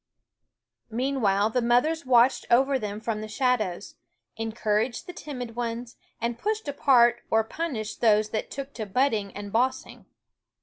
Meanwhile the mothers watched over them from the shadows, encouraged the timid ones, and pushed apart or punished those that took to butting and bossing.